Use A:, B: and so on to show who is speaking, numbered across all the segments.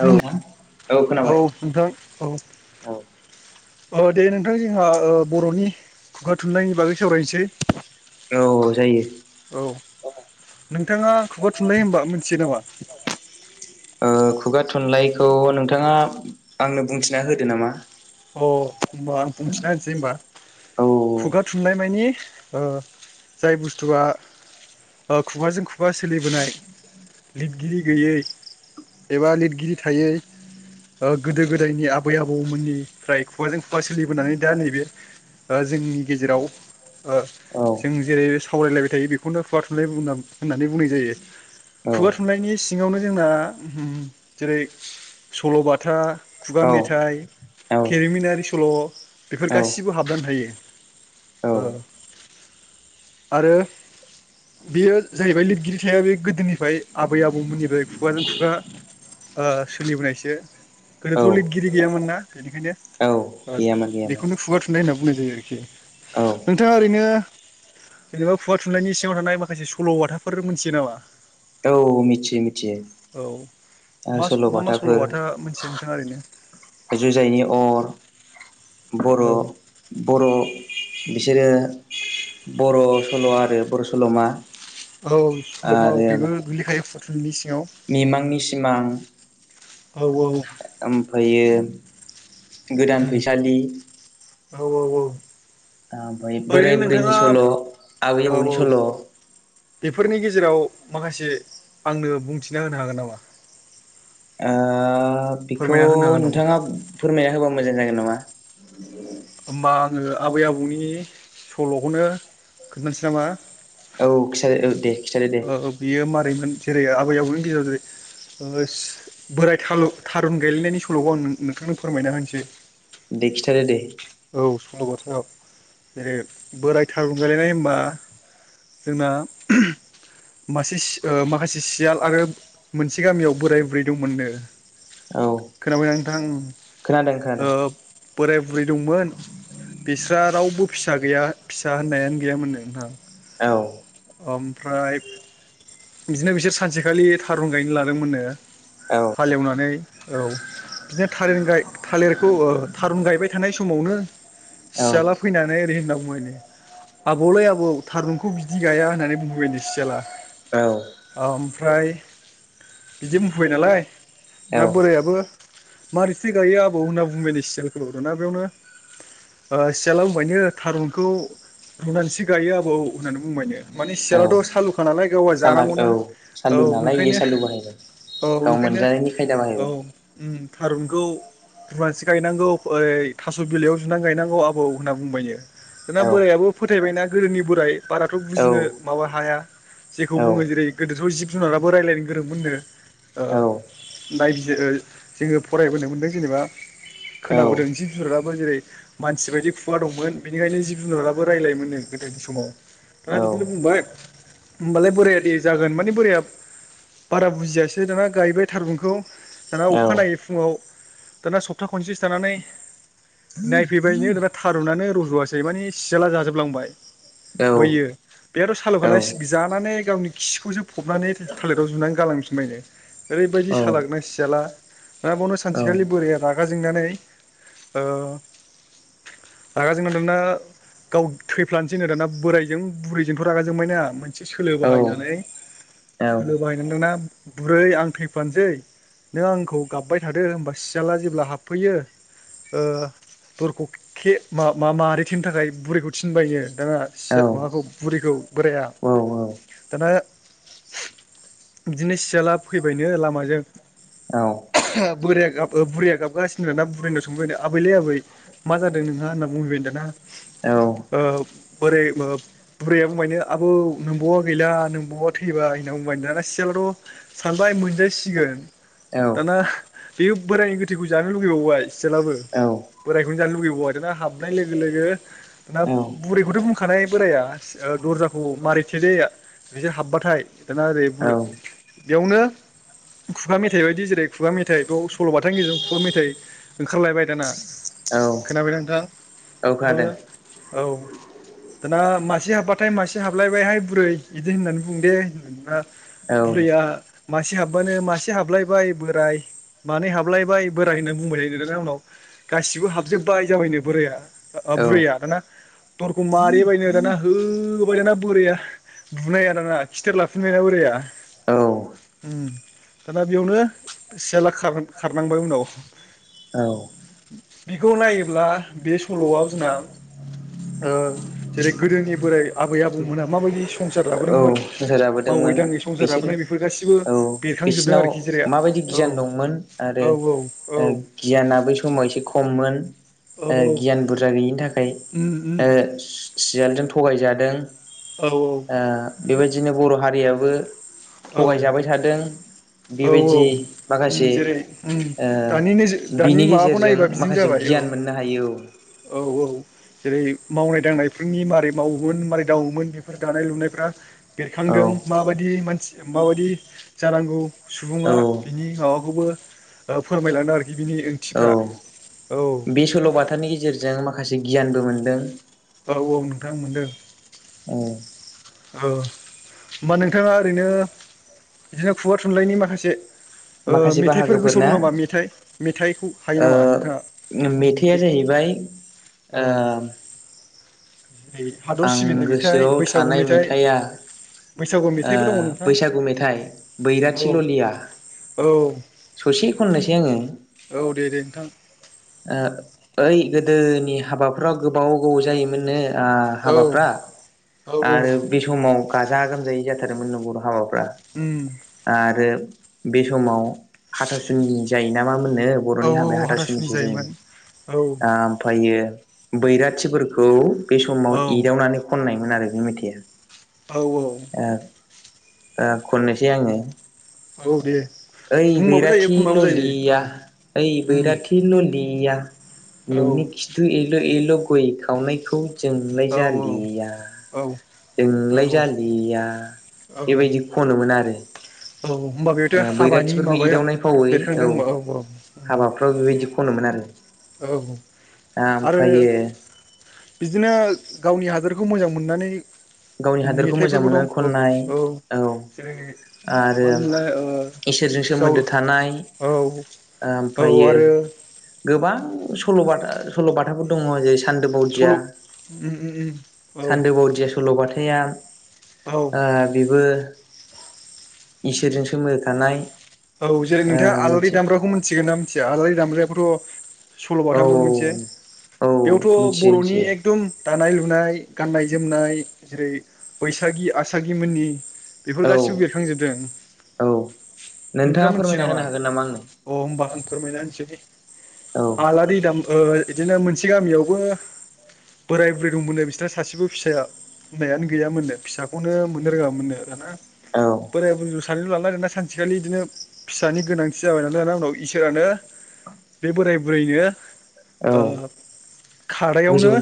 A: औ नोंथां
B: औ नोंथां औ अ दे नोंथां जोंहा बरनि खुगा थुनलाइनि बागै सावरायनोसै।
A: औ औ जायो।
B: औ नोंथाङा खुगा थुनलाइ होनबा मिथियो नामा?
A: आ खुगा थुनलाइखौ नोंथाङा आंनो बुंथिना होदो नामा?
B: अ होनबा आं बुंथिना होनसै होनबा।
A: औ
B: खुगा थुनलाइ मानि ओ जाय बुस्थुआ खुगाजों खुगा सोलिबोनाय लिरगिरि गैयै एबा लिरगिरि थायै ओ गोदो गोदायनि आबै आबौमोननि फ्राय खुगाजों खुगा सोलिबोनानै दा नैबे जोंनि ओ गेजेराव ओ
A: औ
B: जों जेरै सावरायलायबाय थायो बेखौनो खुगा थुनलाइ होननानै बुंनाय जायो।
A: औ
B: खुगा थुनलायनि सिङावनो जोंना उं जेरै सल बाथा, खुगा
A: औ
B: मेथाइ, केेरिमिनारि सल बेफोर
A: औ
B: गासिबो हाबनानै थायो।
A: औ
B: ओ आरो बेयो जाहैबाय लिरगिरि थाया बे गोदोनिफ्राय आबै आबौमोननिफ्राय खुगाजों खुगा ओ सोलिबोनायसो गोदोथ
A: औ
B: लिरगिरि गैयामोन ना? बेनिखायनो
A: औ
B: ओ
A: गैयामोन गैयामोन
B: बेखौनो खुगा थुन होननाय होनना बुंनाय जायो आरोखि।
A: औ
B: नोंथाङा ओरैनो जेनेबा खुगा थुनलाइनायनि सिङाव थानाय माखासे सलबाथाफोर मोनथियो नामा?
A: औ मिथियो मिथियो
B: औ
A: आं
B: मा मा मा
A: सलबाथाफोर
B: सल'बाथा मोनथियो नोंथाङा ओरैनो
A: जुजाइनि अर बर'
B: औ
A: बर' बिसोरो बर' सल' आरो बर' सल'मा
B: औ सल'आव
A: आरो
B: बेबो गोलैखायो हटेलनि
A: मिमांनि सिमां
B: औ
A: ओमफ्रायो गोदान फैसालि
B: औ औ औ
A: ओमफ्राय
B: ओरैनो
A: बोराय बुरैनि
B: नोंथाङा
A: सल' आबै आबौनि सल'
B: फोरनि गेजेराव माखासे आंनो बुंथिना होनो हागोन नामा
A: ओ बेखौ
B: फोरमायना होनो हागोन नामा
A: नोंथाङा फोरमायाना होबा मोजां जागोन नामा
B: होमबा आङो आबै आबौनि सल'खौनो खोन्थानोसै नामा
A: औ खिथादो औ दे खिथादो दे
B: औ बियो मारैमोन जेरै आबै आबौनि गेजेराव जेरै ओ बोराय थारुन गायलायनायनि सल'खौ आं नोंथांनो फोरमायना होनोसै
A: दे खिथादो दे
B: औ सल' बथायाव जेरै बोराय थारून गायज्लायनाय होनबा जोंना मासे ओ माखासे सियाल आरो मोनसे गामियाव बोराय बुरै दंमोननो
A: औ
B: खोनाबाय नोंथां
A: खोनादों
B: ओ
A: खोनादों
B: बोराय बुरै मोन बिस्रा रावबो फिसा गैया फिसा होननायानो गैयामोननो नोंथां
A: औ
B: ओमफ्राय बिबदिनो बिसोर सानसेखालि थारुन गायनो लादोंमोननो
A: औ
B: हालेवनानै औ बिदिनो थारुन गायबाय बाय थानाय समावनो
A: औ
B: सियाला फैनानै ओरै होनना बुंबायनो आबौलै आबौ थारुनखौ बिदि गाया होननानै बुंबायनो सियाला ओमफ्राय बिदि बुंफैबाय नालाय
A: औ
B: दा बोरायाबो मारैथो गायो आबौ होनना बुंबायनो सियालखौ दानिया बेयावनो सियाला बुंबायनो थारुनखौ रुनानैसो गायो आबौ होननानै बुंबायनो माने
A: औ
B: सियालथ' सालु खानालाय गावहा
A: साला
B: जानांगौना
A: औ
B: औ
A: सालु नालाय बियो
B: ओंखायनो
A: सालु बाहायबाय गाव
B: बेखायनो
A: मोनजानायनि खायदा बाहायबाय
B: थारुनखौ रुनानैसो गायनांगौ ओइ थास' बिलाइयाव जुनानै गायनांगौ आबौ होनना बुंबायनो दाना
A: औ
B: बोरायाबो फोथायबायना गोदोनि बोराय बाराथ'
A: औ
B: बुजिनो हाया जेखौ
A: औ
B: बुङो जेरै गोदोथ' जिब जुनाराबो रायज्लायनो गोरोंमोननो
A: औ
B: जोङो फरायबोनो मोनदों जेनेबा
A: औ
B: खोनाबोदों जिब जुनाराबो जेरै मानसि बायदि खुगा दंमोन बेनिखायनो जिब जुनाराबो रायलायो मोनो गोदो
A: औ
B: दाना बिदिनो बुंबाय होमबालाय बोराया दे जागोन माने बोराया बारा बुजियासै दाना गायबाय थारुनखौ दाना अखानायनायै फुङाव दाना सप्ता खनसेसो थानानै नायफैबायनो दाना थारुनानो रज'वसै माने सियाला जाजोबलांबाय बैयो बेहाथ' सालु'खानालाय जानानै गावनि खिखौसो फबनानै थालेराव जुनानै गालांफिनबायनो ओरैबायदि
A: औ
B: सालागना सियाला दाना बेवानो
A: औ
B: सानसेखालि बोरया रागा जोंनानै ओ रागा जोंनानै दाना गाव थैफ्लानोसैनो दाना बोरायजों बुरैजोंथ' रागा जोंबायना मोनसे सोलो
A: औ
B: बाहायनानै
A: खोनादों
B: सोलो बाहायनानै दानिया बुरै आं थैफ्लानोसै नों आंखौ गाबबाय थादो होमबा सियाला जेब्ला हाबफैयो दरखौ के मा- मारिथेनो थाखाय बुरैखौ थिनबायनो
A: औ
B: दाना बुरैखौ बोराया दाना बिदिनो सियाला फैबायनो लामाजों बुरैया गाबगागासिनो दडं ना ओमफाय आं नाव सोंबाय दाना आबैलै आबै मा जादों नोंहा होनना बुंहैबाय दाना।
A: औ
B: ओ बोरै बुरैया बुंबायनो आब' नोंबावआ गैला नोंबावा थैबाय। ना बुंबाया सियालथ' सानबाय मोनजायसिगोन।
A: औ
B: दाना बेयो बोरायनि गोथैखौ जानो लुगैबावबाय सेलाबो। बोरायखौनो जानो लुुबैबाव आर ना हाबनाय लोगो लोगो ना बुरायखौथ' बुंखानाय बोराया। ओ दर्जाखौ मारैथे देै। बिसोर हाब्बाथाय दाना ओरै बुरो बेयावनो। खुगा मेथाइ बायदि जेरै खुगा मेथाइ बे सल'बाथानि गेजेरजों खुगा मेथाइ। ओंखारलायबाय दाना खोनाबाय नोंथां।
A: औ
B: बेखौनो
A: खोनादों।
B: औ। दाना मासे हाबबाथाय मासे हाबलायबायहाय बुरै बिदि होननानै बुं दे होना। बुरैया मासे हाबबानो मासे हाबलायबाय बोराय। मानै हाबलायबाय बोराय होनना बुंबाय थायो। बिदिनो उनाव गासिबो हाबजोब्बाय जाबायनो बोरया ओ बुरैया दाना। दरखौ मारिय बायनो दाना होबाय दाना बोरया। बुनाया दाना खिथेर लाफिनबायना बोराया। उम दाना बेयावनो सियाला खारनां खारनांबाय उनाव।
A: औ
B: बेखौ नायोब्ला बे सल'आव जोंना। ओ जेरै गोदोनि बोराइ आबै आबौमोना माबायदि संसार जाबो दों।
A: औ संसार जाबोदोंमोन बिसोरो
B: बेफोर गासिबो
A: औ
B: बेरखांजोबदों
A: बिसिनाव
B: आरोखि जेरै
A: माबायदि
B: औ
A: गियान दं। मोन आरो
B: औ औ
A: ओ गियाना बै समाव एसे खममोन।
B: औ
A: ओ
B: औ
A: गियान बुरजा गैयिनि थाखाय
B: उम उम
A: ओ सियालजों थगायजादों।
B: औ औ।
A: ओ बेबायदिनो बर' हारियाबो
B: औ
A: थगायजाबाय थादों।
B: औ
A: बेबायदि
B: उम
A: माखासे
B: जेरै उम
A: ओ
B: दानि नोजो दानि
A: बिनि
B: माबाखौ
A: गेजेरजों
B: नायोबा बिदिनो
A: माखासे गि
B: जाबाय औ
A: गियान मोननो हायो औ।
B: औ औ जेरै मावनाय दांनायफोरनि मारै मावोमोन मारै दावोमोन बेफोर दानाय लुनायफ्रा
A: औ
B: बेरखांदों माबायदि मोन। माबायदि जानांगौ सुबुंङा
A: औ
B: बिनि माबा बेखौबो ओ फोरमायलाांदों आरोखि बिनि
A: औ
B: ओंथिफ्रा। औ
A: बे सल'बाथानि गेजेरजों माखासे गियानबो मोनदों।
B: औ औ नोंथां मोनदों।
A: औ।
B: औ होमबा नोंथांङा ओरैनो बिदिनो खुगा थुनलाइनि माखासे ओ
A: माखासे
B: मेथाइफोर गोसोआव
A: बाहागोफोरना
B: दं नामा? मेथाइ मेथाइखौ हायो नामा नोंथांङा?
A: उम मेथाइआ जाहैबाय
B: औ
A: ओ।
B: जेरै हादर
A: आं
B: सिबिनाय मेथाइ
A: गोसोआव
B: बैसागु
A: थानाय
B: मेथाइ
A: मेथाइआ
B: बैसागु
A: ओ
B: मेथाइबो दङ नोंथां
A: बैसागु मेथाइ
B: औ
A: बैराथि ललिया।
B: औ
A: ससे खननोसै आंङो।
B: औ दे दे नोंथां।
A: ओइ गोदोनि हाबाफ्राव गोबाव गोबाव जायोमोननो। ओ
B: औ
A: हाबाफ्रा
B: औ औ
A: आरो बे समाव गाजा गोमजायै जाथारोमोन नो बर' हाबाफोरा। फ्रा
B: उम
A: आरो बे समाव हाथासुनि जायो ना मा मोन नो
B: औ
A: बर'नि
B: औ औ
A: हाबाया
B: हाथासुनि
A: हाथासुनिसो
B: जायोमोन औ
A: जायोमोन ओ ओमफ्रायो। बैराथिफोरखौ बे समाव
B: औ
A: इदावनानै खननायमोन आरो बे मेथाइआ।
B: औ औ।
A: ओं ओ खननोसै आंङो।
B: औ दे।
A: ओइ
B: बुंबाबो जायो
A: बैराथि
B: खनबाबो जायो औ
A: ललिया ओइ
B: उम
A: बैराथि ललिया
B: औ
A: नोंनि खिथु एल' एल' गय खावनायखौ जोंलाय
B: औ
A: जालिया
B: औ औ
A: जोंलाय जालिया
B: औ
A: बेबायदि ख'नोमोन आरो
B: होमबा बेथ'
A: ओ
B: हाबानि
A: बैराथिफोरखौ
B: माबाया
A: एदावनाय फावै
B: बेरखांदों
A: औ
B: होमबा औ
A: हाबाफ्राव बेबायदि खनोमोन आरो।
B: औ आरो
A: आमफायो
B: बिदिनो गावनि हादोरखौ मोजां मोननानै
A: गावनि हादोरखौ मोजां
B: मेथाइफोरबो
A: मोनो
B: दं औ
A: खननाय औ
B: जेरै
A: आरो
B: मा होनोमोनलाय ओ
A: इसोरजों
B: जाव
A: सोमोन्दो थानाय
B: औ औ
A: ओमफायो
B: आरो
A: गोबां सल'बाथा सल'बाथाफोर दंङ जे सानदो बावदिया
B: सल' उम उम उम
A: सानदो
B: औ
A: बावदिया स जौगाथाया
B: औ
A: ओ बेबो इसोरजों सोमोन्दो थानाय
B: औ जेरै नोंथाङा
A: ओ
B: आलारि
A: मोनसे
B: दामग्राखौ मिन्थिगोन ना मिथिया आलारि दामब्रायोथ'।
A: औ
B: सल'बाथामोन मोनसे
A: औ
B: बेयावथ'
A: मिथियो
B: बर'नि
A: मिथियो
B: एकदम दानाय लुनाय गाननाय जोमनाय। जेरै बैसागि आसागिमोननि बेफोर
A: औ
B: गासिबो बेरखांजोबदों।
A: औ नोंथाङा
B: नोंथाङा मिथियो
A: फोरमायना
B: नामा
A: होनो हागोन आंनो
B: अ होमबा आं फोरमायना होनसै दै।
A: औ
B: आलारि दामफो इदिनो मोनसे गामियावबो। बोराय बुरै दंमोनो बिसिना सासेबो फिसाया। होननायानो गैयामोननो फिसाखौनो मोननो रोङामोननो आना।
A: औ
B: बोराय बुरैल सानैल' नालाय नो दा सानसेखालि आ ना सानसेखालि बिदिनो। फिसानि गोनांथि जाबाय नालाय दा उनाव इसोरानो बे बोराय बुरैनो
A: औ
B: ओ
A: गोजौ
B: खादायावनो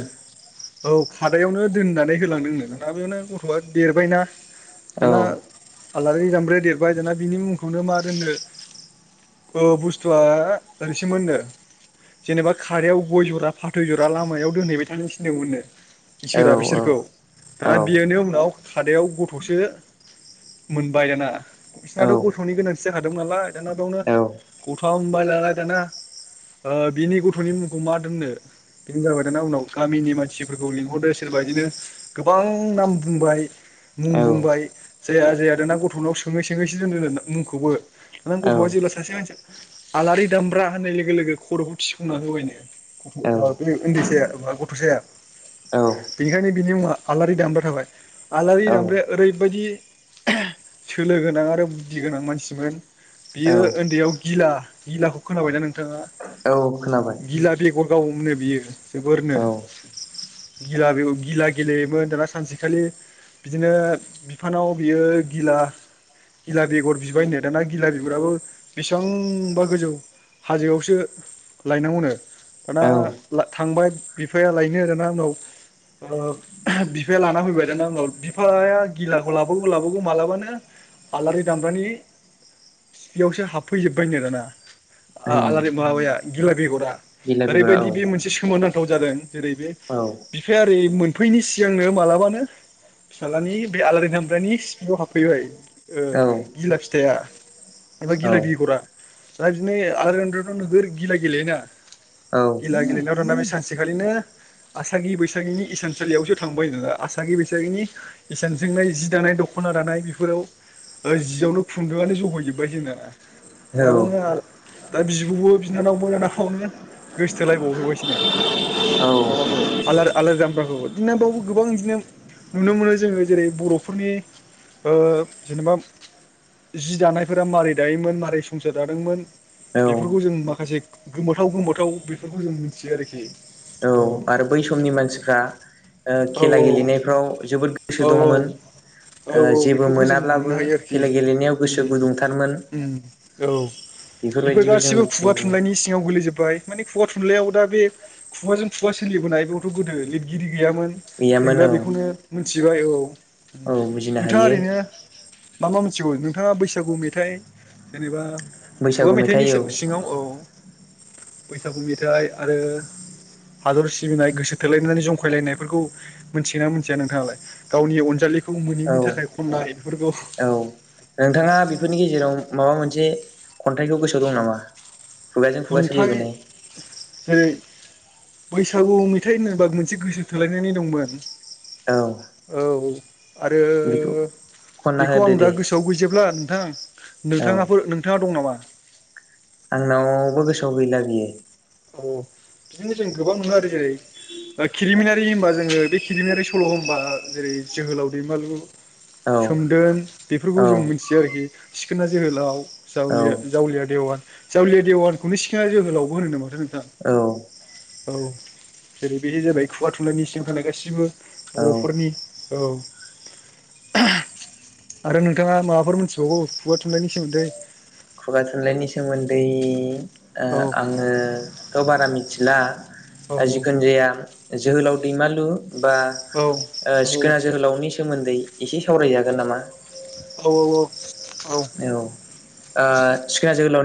B: औ खादायावनो दोननानै होलांदोंनो दाना बेयावनो गथ'आ देरबायना ।
A: औ
B: दाना आलारि दामब्राया देरबाय दाना बिनि मुंखौनो मा दोननो। औ बुस्थुआ ओरैसेमोननो। जेनेबा खारैयाव गय जरा फाथै जरा लामायाव दोनहैबाय थानो थिनदोंमोननो।
A: औ
B: इसोरा बिसोरखौ
A: औ
B: दाना बेयोनि उनाव। सादायाव गथ'सो मोनबाय दाना बिनाथ' गथ'नि गोनांथि। एसे हादोंमोन नालाय दाना बेयावनो गथाम मोनबाय नालाय दाना। ओ बिनि गथ'नि मुंखौ मा दोननो? बेनो जाबाय दाना उनाव गामिनि मानसिफोरखौ लिंहरदो सोरबादिनो गोबां नाम बुंबाय। मुं
A: औ
B: बुंबाय जाया जाया दोना गथ'नाव सोङै सोङैसो दोनदों दा मुंखौबो नों गथ'आ जेब्ला सासे मानसि आलारि दामब्रा होननाय लोगो लोगो खर'खौ थिफुंना होबायनो। ओ बे ओदैसाया गथ'साया।
A: औ
B: बेनिखायनो बिनि मुङा आलारि दामब्रा थाबाय आलारि दामब्राया ओरैबायदि।
A: [unintelligible]
B: सोलो गोनां आरो बुद्दि गोनां मानसि मोन बियो
A: औ
B: ओन्दैयाव गिला गिलाखौ खोनाबायनाा नोंथाङा?
A: औ खोनाबाय
B: गिला बेगर गावोमनो बियो जोबोरनो ।
A: औ
B: गिला बे गिला गेलेयोमोन दाना सानसेखालि। बिदिनो बिफानाव बियो गिला गिला बेगर बिबायनो। दाना गिला बिगुराबो बिसिबांबा गोजौ। हाजोआवसो लायनांगौनो । दाना
A: औ
B: ला थांबाय बिफाया लायनो दाना उनाव। ओ ओहोम बिफाया लाना फैबाय दाना उनाव बिफाया गिलाखौ लाबोवगौ लाबोवगौ मालाबानो। आलारि दामब्रानि सिफियावसो हाबफैजोबबायनो दाना, आ
A: उम
B: आलारि माबाया गिला बेगरा।
A: गिला बिगुरा औ
B: ओरैबायदि बे मोनसे सोमोनां गोथाव जादों जेरै बे
A: औ
B: बिफाया ओरै मोनफैनि सिगांनो मालाबानो फिसाजलानि बे आलारि दामब्रानि सिपिआव हाबफैबाय
A: औ
B: गिला फिथाइआ । एबा गिला
A: औ
B: बेगरा दा बिदिनो आाय टथ' नोगोर गिला गेलेयोना।
A: औ
B: गिला गेलेनायाव दाना बे सानसेखालिनो आसागि बैसागिनि इसानसालियावसो थांबाय नाला आसागि बैसागिनि इसानजोंनाय जि दानाय दख' ना दानाय बेफोराव जियावनो खुन्दुं आनो जहोजोब जोबबायनो
A: औ
B: दाना। दा बिब'बो बिनानावबो ना बावनो गोसथोलायबावहैसिनो।
A: औ
B: माबाखौ आ आलारि दामब्राखौ बिदिनो बावबो गोबां बिदिनो नुनो मोनो जोङो जेरै बर'फोरनि ओ जेनेबा जि दानाय फोरा मारै दायोमोन मारै संसार जादोंमोन।
A: औ
B: बेफोरखौ जों माखासे गोमोथाव गोमोथाव बेफोरखौ जों मिथियो आरोखि।
A: औ आरो बै समनि मानसिफ्रा ओ
B: औ
A: खेला गेलेनायफ्राव जोबोद गोसो
B: औ
A: दंमोन।
B: औ
A: ओ
B: औ
A: जेबो
B: बेफोरखौ जों मोननो
A: मोनाब्लाबो
B: हायो आरोखि
A: खेला गेलेनायाव गोसो
B: उम
A: गुदुंथ
B: औ बेफोर
A: बेफोरबायदिखौ जों
B: गासिबो
A: मिथिनो
B: खुगा
A: मोनो
B: थुनलाइनि सिङाव गोलै जोबबाय माने खुगा थुनलाइयाव दा बे खुगाजों खुगा सोलिबोनाय बेयावथ' गोदो लिरगिरि गैयामोन जों
A: गैयामोन
B: दा
A: औ
B: बेखौनो मिथिबाय औ।
A: औ बुजिनो
B: नोंथाङा
A: हायो
B: ओरैनो मा मा मोनथिगौ नोंथाङा बैस बैसागु मेथाइ जेनेबा खुगा
A: बैसागु
B: मेथाइनि
A: मेथाइ औ
B: सिङाव औ। बैसागु मेथाइ आरो हादर सिबिनाय गोसो थोलायनानै जंखायलायनायफोरखौ मोनथियोना मोनथिया नोंथाङालाय गावनि अनजालिखौ खौ
A: औ
B: मोनैनि थाखाय खननाय बेफोरखौ
A: औ नोंथाङा बेफोरनि गेजेराव माबा मोनसे खन्थाइखौ गोसोआव दं नामा? खुगाजों खुगा
B: खन्थाइ
A: सोलिबोनाय
B: जेरै बैसागु मेथाइ होनोबा मोनसे गोसो थोलायनानै दंमोन।
A: औ
B: औ आरो
A: बेखौ खनना
B: बेखौ आं
A: होदो
B: दा
A: दे
B: गोसोआव गैजोबला नोंथां
A: औ
B: नोंथाङाफोर नोंथाङा दं नामा?
A: आंनावबो गोसोआव गैला बियो
B: औ बिदिनो जों गोबां नुनो आरो जेरै खिलिमिनारि होनबा जोङो बे खिरिलिमिनारि सल' होनबा जेरै जोहोलाव दैमालु
A: औ
B: सोमदोन बेफोरखौ
A: औ
B: जों मिथियो आरोखि सिखोना जोहोलाव। जावलिया
A: औ
B: जावलिया देवान जावलिया देवानखौनो सिखोना जोहोलावबो होनो नामा?
A: औ।
B: औ। जेरै बेदि जाबाय खुगा थुनलाइनि सिङाव थानाय गाससिबो
A: औ
B: बर'फोरनि औ।
A: [inaudible]
B: आरो नोंथाङा माबाफोर मोनथिबावगौ खुगा थुननायनि सोमोन्दै
A: खुगा थुनलाइनि सोमोन्दै
B: औ
A: आङोथ' बारा मिथिला।
B: औ
A: जिखुनु जाया जोहोलाव दैमालु बा
B: औ
A: ओ सिखोना जोहोलावनि सोमोन्दै एसे सावरायजागोन नामा?
B: औ औ।
A: औ सिखोना ओ जोहोलावनि